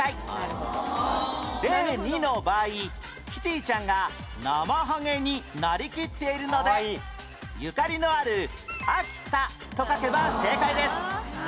例２の場合キティちゃんがナマハゲになりきっているのでゆかりのある秋田と書けば正解です